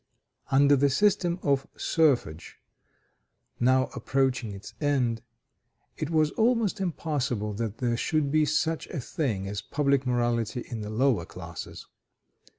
Under the system of serfage, now approaching its end, it was almost impossible that there should be such a thing as public morality in the lower classes.